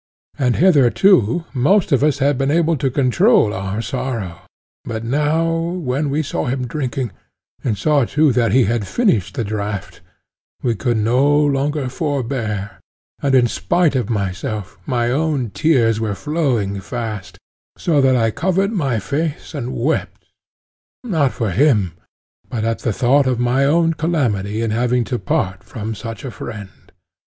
And hitherto most of us had been able to control our sorrow; but now when we saw him drinking, and saw too that he had finished the draught, we could no longer forbear, and in spite of myself my own tears were flowing fast; so that I covered my face and wept, not for him, but at the thought of my own calamity in having to part from such a friend.